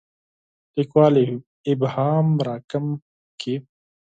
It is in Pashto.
لیکوال ابهام راکم کړي.